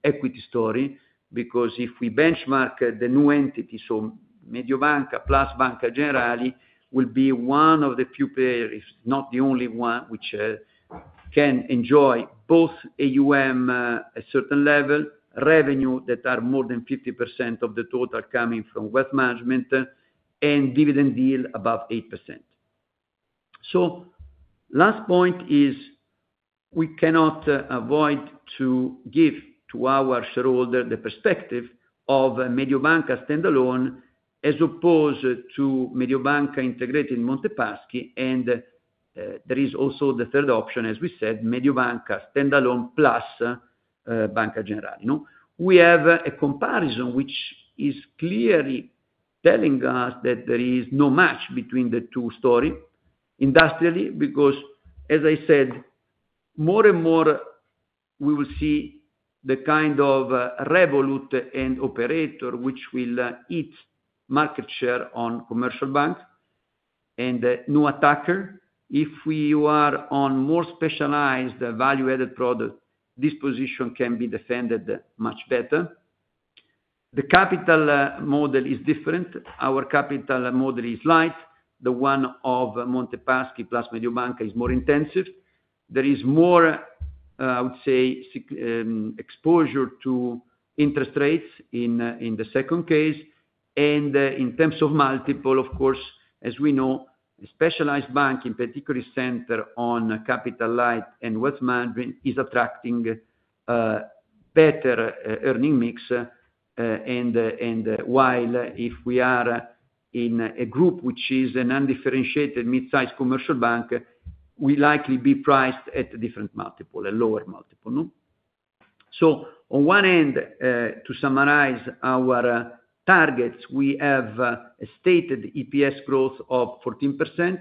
equity story. Because if we benchmark the new entity, so Mediobanca plus Banca Generali will be one of the few players, if not the only one, which can enjoy both AUM at a certain level, revenue that are more than 50% of the total coming from wealth management, and dividend yield above 8%. Last point is we cannot avoid to give to our shareholder the perspective of Mediobanca standalone as opposed to Mediobanca integrated in Monte Paschi. There is also the third option, as we said, Mediobanca standalone plus Banca Generali. We have a comparison which is clearly telling us that there is no match between the two stories industrially, because as I said, more and more we will see the kind of Revolut and operator, which will eat market share on commercial bank and new attacker. If we are on more specialized value-added product, this position can be defended much better. The capital model is different. Our capital model is light. The one of Monte Paschi plus Mediobanca is more intensive. There is more, I would say, exposure to interest rates in the second case. In terms of multiple, of course, as we know, specialized bank in particular center on capital light and wealth management is attracting better earning mix. While if we are in a group which is an undifferentiated mid-size commercial bank, we likely be priced at a different multiple, a lower multiple. On one end, to summarize our targets, we have a stated EPS growth of 14%,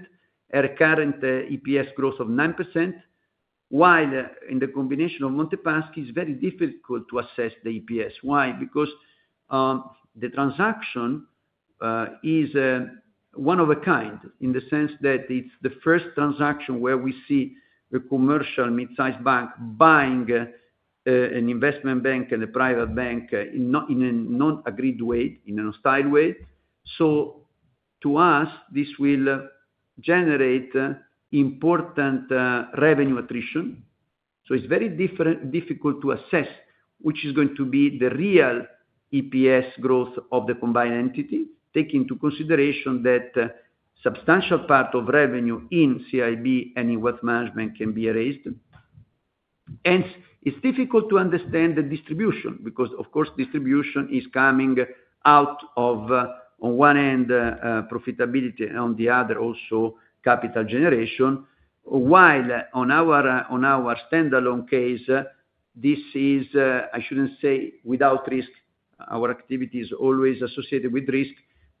a recurrent EPS growth of 9%, while in the combination of Monte Paschi it is very difficult to assess the EPS. Why? Because the transaction is one of a kind in the sense that it is the first transaction where we see a commercial mid-size bank buying an investment bank and a private bank in a non-agreed way, in a style way. To us, this will generate important revenue attrition. It is very difficult to assess which is going to be the real EPS growth of the combined entity, taking into consideration that a substantial part of revenue in CIB and in wealth management can be erased. Hence, it is difficult to understand the distribution because, of course, distribution is coming out of, on one end, profitability and on the other also capital generation. While on our standalone case, this is, I shouldn't say without risk. Our activity is always associated with risk,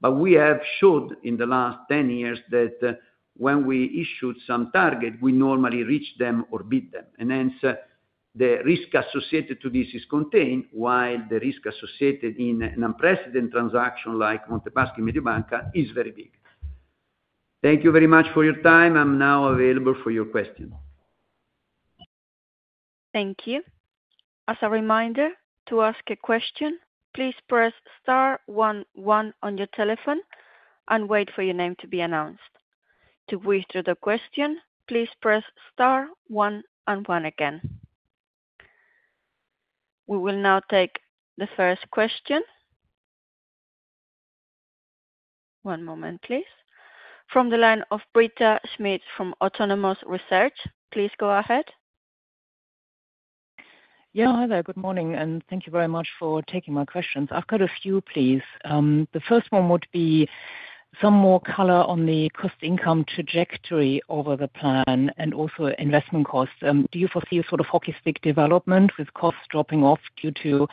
but we have showed in the last 10 years that when we issued some target, we normally reach them or beat them. Hence, the risk associated to this is contained, while the risk associated in an unprecedented transaction like Monte dei Paschi Mediobanca is very big. Thank you very much for your time. I'm now available for your question. Thank you. As a reminder, to ask a question, please press star one one on your telephone and wait for your name to be announced. To read through the question, please press star one and one again. We will now take the first question. One moment, please. From the line of Britta Schmidt from Autonomous Research, please go ahead. Yeah, hello, good morning, and thank you very much for taking my questions. I've got a few, please. The first one would be some more color on the cost income trajectory over the plan and also investment costs. Do you foresee a sort of hockey stick development with costs dropping off due to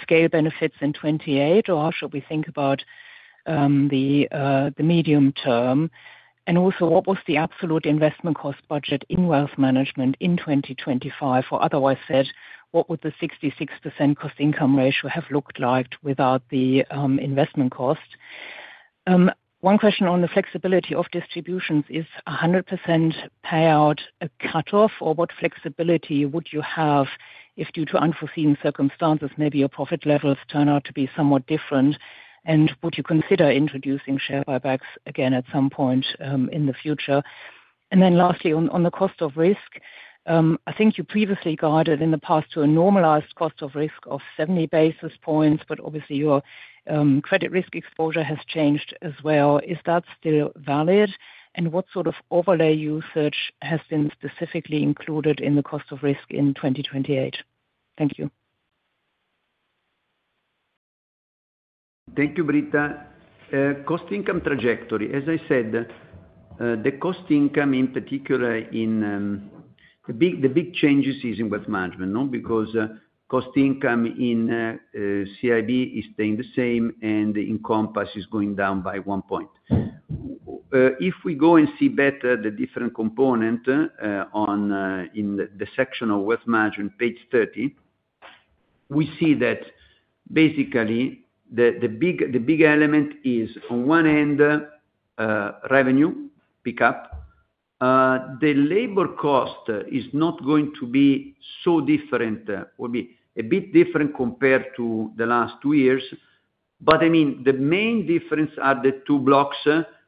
scale benefits in 2028, or how should we think about the medium term? Also, what was the absolute investment cost budget in wealth management in 2025? Or otherwise said, what would the 66% cost income ratio have looked like without the investment cost? One question on the flexibility of distributions: is 100% payout a cutoff, or what flexibility would you have if due to unforeseen circumstances, maybe your profit levels turn out to be somewhat different? Would you consider introducing share buybacks again at some point in the future? Lastly, on the cost of risk, I think you previously guided in the past to a normalized cost of risk of 70 basis points, but obviously your credit risk exposure has changed as well. Is that still valid? What sort of overlay usage has been specifically included in the cost of risk in 2028? Thank you. Thank you, Britta. Cost income trajectory, as I said, the cost income in particular in the big changes is in wealth management, because cost income in CIB is staying the same and the income pass is going down by one point. If we go and see better the different component on the section of wealth management, page 30, we see that basically the big element is on one end revenue pickup. The labor cost is not going to be so different, will be a bit different compared to the last two years. I mean, the main difference are the two blocks,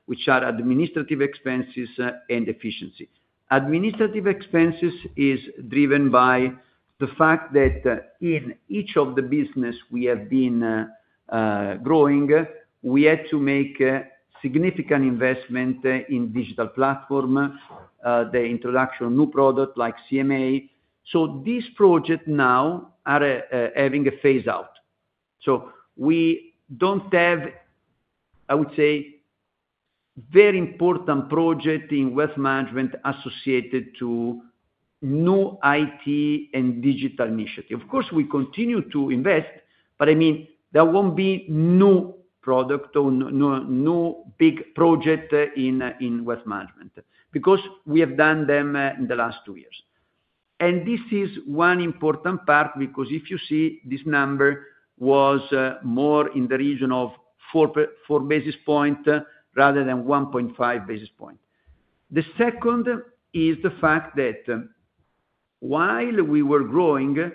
which are administrative expenses and efficiency. Administrative expenses is driven by the fact that in each of the business we have been growing, we had to make significant investment in digital platform, the introduction of new products like CMA. These projects now are having a phase out. We do not have, I would say, very important project in wealth management associated to new IT and digital initiative. Of course, we continue to invest, but I mean, there will not be new product or new big project in wealth management because we have done them in the last two years. This is one important part because if you see this number was more in the region of four basis points rather than 1.5 basis points. The second is the fact that while we were growing,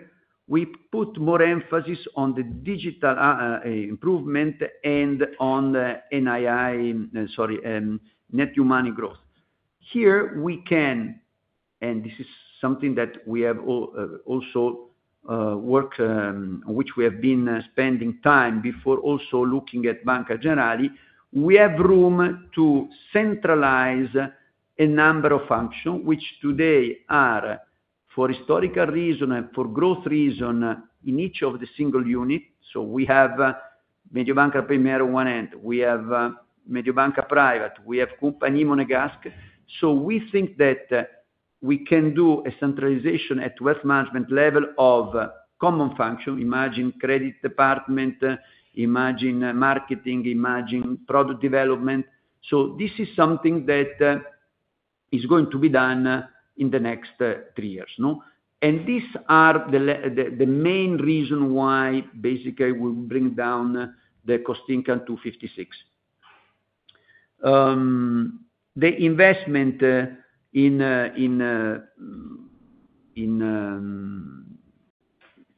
we put more emphasis on the digital improvement and on NII, sorry, net human growth. Here we can, and this is something that we have also work which we have been spending time before also looking at Banca Generali, we have room to centralize a number of functions which today are for historical reason and for growth reason in each of the single unit. We have Mediobanca Premier on one end, we have Mediobanca Private, we have Compagnie Monégasque. We think that we can do a centralization at wealth management level of common function, imagine credit department, imagine marketing, imagine product development. This is something that is going to be done in the next three years. These are the main reasons why basically we will bring down the cost income to 56%. The investment, in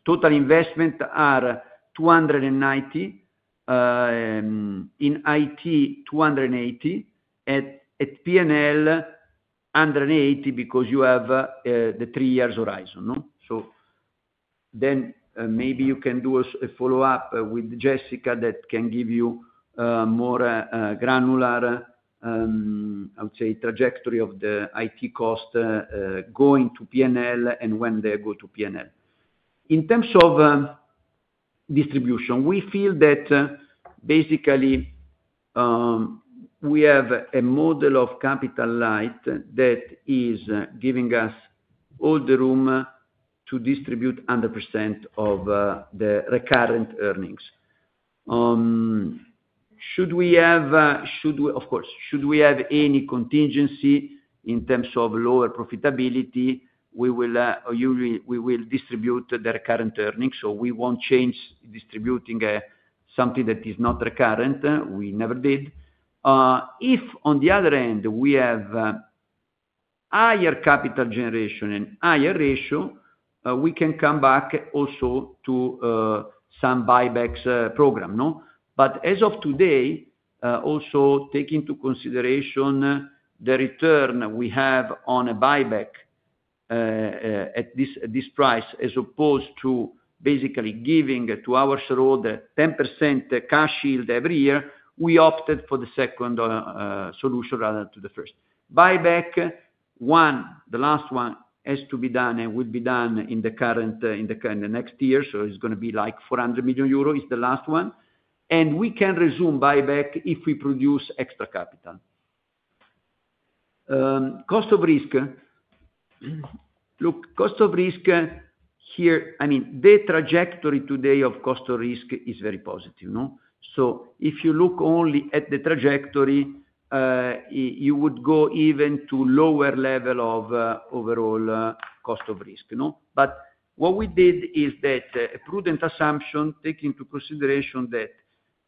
total investment, are 290 million, in IT 280 million, at P&L 180 million because you have the three years horizon. Maybe you can do a follow-up with Jessica that can give you a more granular, I would say, trajectory of the IT cost going to P&L and when they go to P&L. In terms of distribution, we feel that basically we have a model of capital light that is giving us all the room to distribute 100% of the recurrent earnings. Should we have, of course, should we have any contingency in terms of lower profitability, we will distribute the recurrent earnings. We will not change distributing something that is not recurrent. We never did. If on the other end, we have higher capital generation and higher ratio, we can come back also to some buybacks program. As of today, also taking into consideration the return we have on a buyback at this price as opposed to basically giving to our shareholder 10% cash yield every year, we opted for the second solution rather than the first. Buyback, one, the last one has to be done and will be done in the current next year. It is going to be like 400 million euros is the last one. We can resume buyback if we produce extra capital. Cost of risk. Look, cost of risk here, I mean, the trajectory today of cost of risk is very positive. If you look only at the trajectory, you would go even to lower level of overall cost of risk. What we did is that a prudent assumption taking into consideration that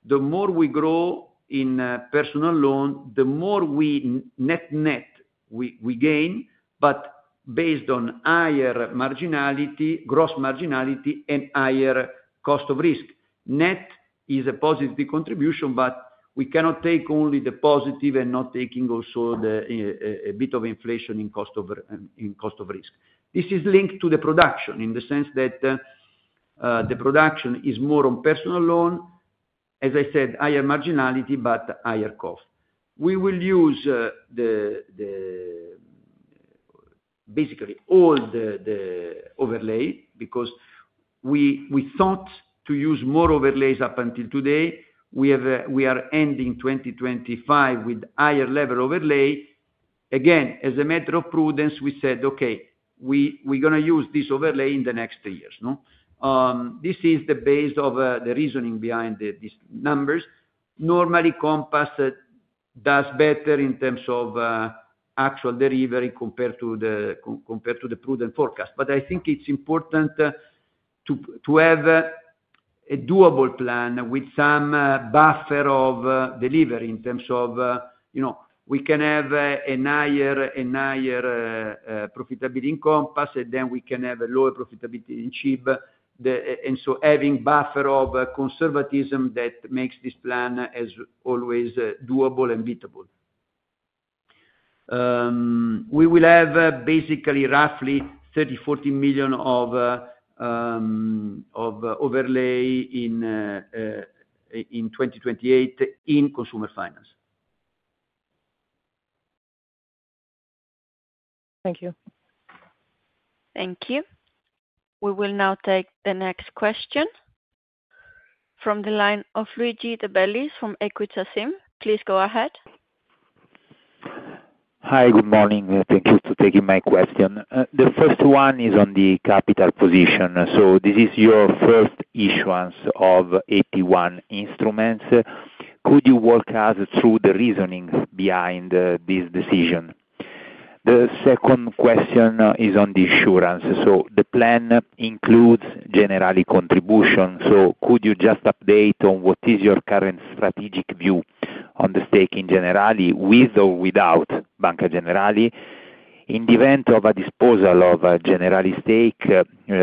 the more we grow in personal loan, the more we net net we gain, but based on higher marginality, gross marginality, and higher cost of risk. Net is a positive contribution, but we cannot take only the positive and not taking also a bit of inflation in cost of risk. This is linked to the production in the sense that the production is more on personal loan, as I said, higher marginality, but higher cost. We will use basically all the overlay because we thought to use more overlays up until today. We are ending 2025 with higher level overlay. Again, as a matter of prudence, we said, okay, we are going to use this overlay in the next three years. This is the base of the reasoning behind these numbers. Normally, Compass does better in terms of actual delivery compared to the prudent forecast. I think it's important to have a doable plan with some buffer of delivery in terms of we can have a higher profitability in Compass, and then we can have a lower profitability in CIB. Having buffer of conservatism that makes this plan as always doable and beatable. We will have basically roughly 30 million, 40 million of overlay in 2028 in consumer finance. Thank you. Thank you. We will now take the next question from the line of Luigi De Bellis from Equita SIM. Please go ahead. Hi, good morning. Thank you for taking my question. The first one is on the capital position. This is your first issuance of AT1 instruments. Could you walk us through the reasoning behind this decision? The second question is on the insurance. The plan includes Generali contribution. Could you just update on what is your current strategic view on the stake in Generali with or without Banca Generali? In the event of a disposal of Generali stake,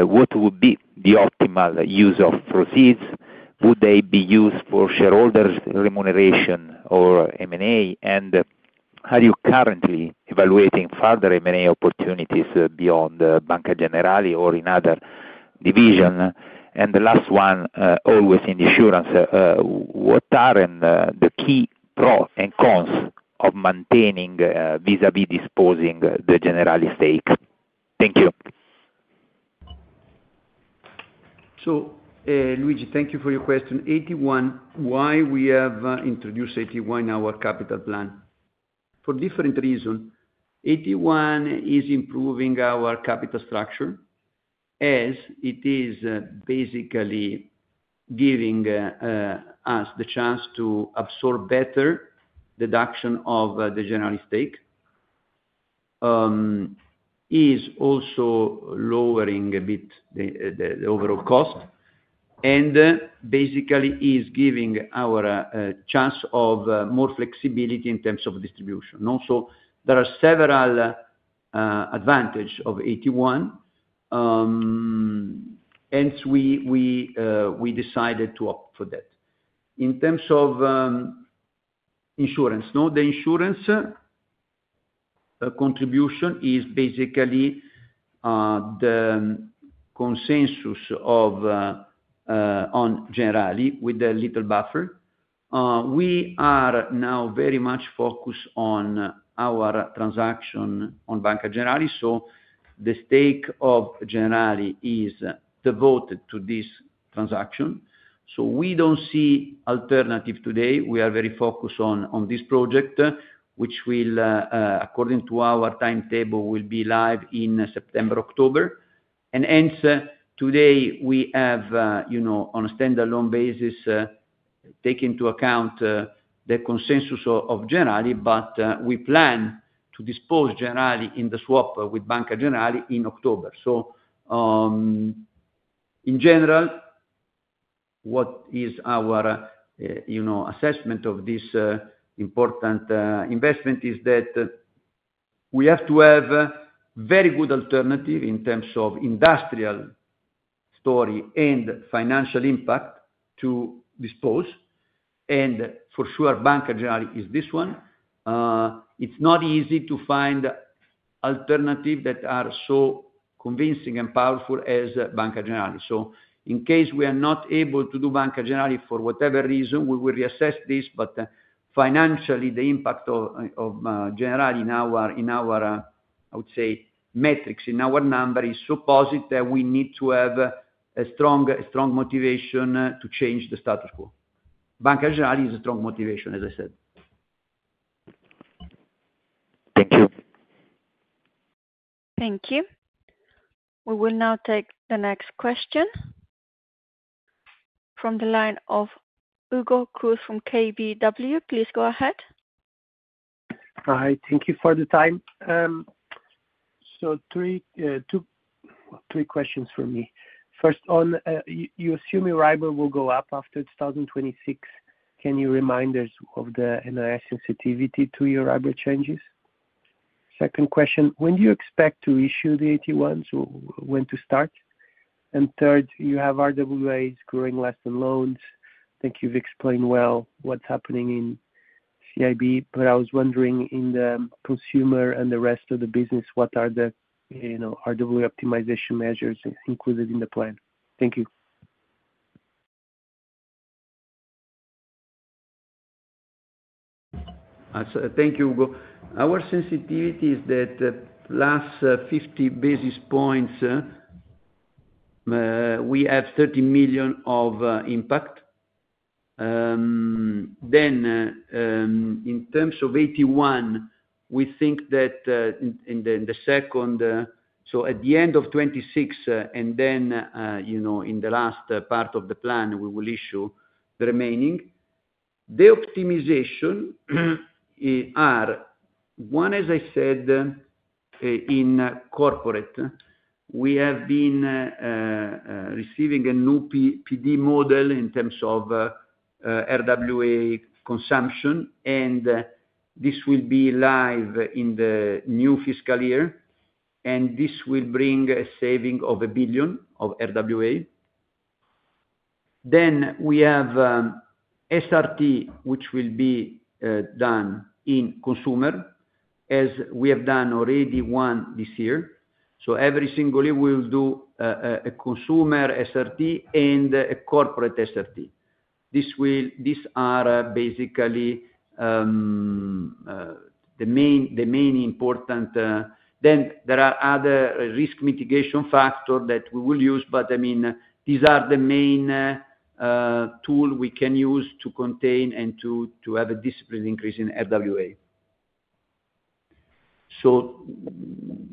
what would be the optimal use of proceeds? Would they be used for shareholders' remuneration or M&A? Are you currently evaluating further M&A opportunities beyond Banca Generali or in other divisions? The last one, always in insurance, what are the key pros and cons of maintaining vis-à-vis disposing the Generali stake? Thank you. Luigi, thank you for your question. AT1, why we have introduced AT1 in our capital plan? For different reasons. AT1 is improving our capital structure as it is basically giving us the chance to absorb better deduction of the Generali stake. It is also lowering a bit the overall cost and basically is giving our chance of more flexibility in terms of distribution. There are several advantages of AT1, hence we decided to opt for that. In terms of insurance, the insurance contribution is basically the consensus on Generali with a little buffer. We are now very much focused on our transaction on Banca Generali. The stake of Generali is devoted to this transaction. We do not see alternative today. We are very focused on this project, which will, according to our timetable, be live in September, October. Hence today we have, on a standalone basis, taken into account the consensus of Generali, but we plan to dispose Generali in the swap with Banca Generali in October. In general, what is our assessment of this important investment is that we have to have a very good alternative in terms of industrial story and financial impact to dispose. For sure, Banca Generali is this one. It's not easy to find alternatives that are so convincing and powerful as Banca Generali. In case we are not able to do Banca Generali for whatever reason, we will reassess this. Financially, the impact of Generali in our, I would say, metrics, in our number is supposed that we need to have a strong motivation to change the status quo. Banca Generali is a strong motivation, as I said. Thank you. Thank you. We will now take the next question from the line of Hugo Cruz from KBW. Please go ahead. Hi, thank you for the time. Three questions for me. First, you assume your Euribor will go up after 2026. Can you remind us of the NII sensitivity to your Euribor changes? Second question, when do you expect to issue the AT1s? When to start? Third, you have RWAs growing less than loans. I think you've explained well what's happening in CIB, but I was wondering in the consumer and the rest of the business, what are the RWA optimization measures included in the plan? Thank you. Thank you, Hugo. Our sensitivity is that last 50 basis points, we have 30 million of impact. In terms of AT1, we think that in the second, so at the end of 2026, and then in the last part of the plan, we will issue the remaining. The optimizations are, one, as I said, in corporate, we have been receiving a new PD model in terms of RWA consumption, and this will be live in the new fiscal year. This will bring a saving of 1 billion of RWA. We have SRT, which will be done in consumer, as we have done already one this year. Every single year, we will do a consumer SRT and a corporate SRT. These are basically the main important. There are other risk mitigation factors that we will use, but I mean, these are the main tools we can use to contain and to have a disciplined increase in RWA.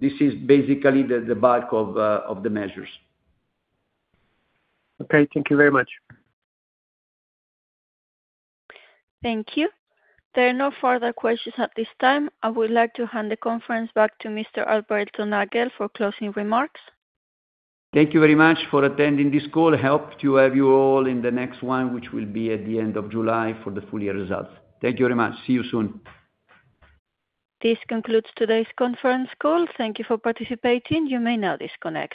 This is basically the bulk of the measures. Okay, thank you very much. Thank you. There are no further questions at this time. I would like to hand the conference back to Mr. Alberto Nagel for closing remarks. Thank you very much for attending this call. I hope to have you all in the next one, which will be at the end of July for the full year results. Thank you very much. See you soon. This concludes today's conference call. Thank you for participating. You may now disconnect.